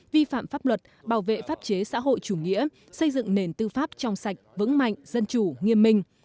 vi phạm pháp luật bảo vệ pháp chế xã hội chủ nghĩa xây dựng nền tư pháp trong sạch vững mạnh dân chủ nghiêm minh